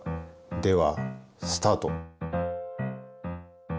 ではスタート。